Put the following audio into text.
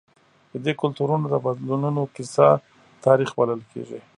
د دې کلتورونو د بدلونونو کیسه تاریخ بلل کېږي.